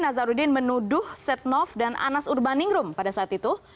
nazarudin menuduh setnov dan anas urbaningrum pada saat itu